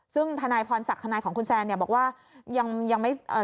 ซึ่งทนายพรศักดิ์ทนายของคุณแซนบอกว่ายังไม่